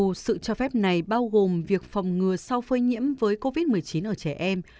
mặc dù sự cho phép này bao gồm việc phòng ngừa sau phơi nhiễm với covid một mươi chín ở trẻ em